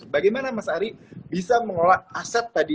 bagaimana mas ari bisa mengolah aset tadi